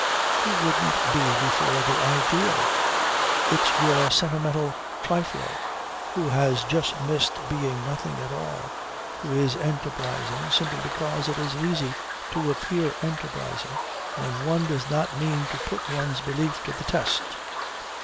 Who wouldn't be before the ideal? It's your sentimental trifler, who has just missed being nothing at all, who is enterprising, simply because it is easy to appear enterprising when one does not mean to put one's belief to the test.